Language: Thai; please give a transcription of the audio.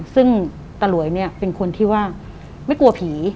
ซึ่งตะหลวยเนี่ยเป็นคนที่ว่าไม่กลัวผี